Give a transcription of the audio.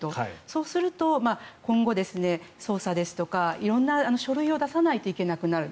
そうすると今後、捜査ですとか色んな書類を出さないといけなくなる。